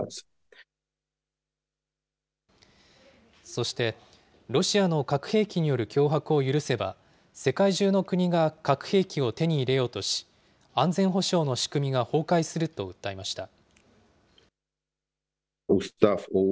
そしてロシアの核兵器による脅迫を許せば、世界中の国が核兵器を手に入れようとし、安全保障の仕組みが崩壊すると訴えました。